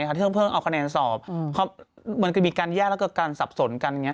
เพื่อเอาคะแนนสอบเหมือนกับมีการแย่และกับการสับสนกัน